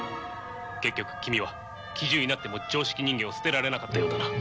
結局君は奇獣になっても常識人間を捨てられなかったようだな。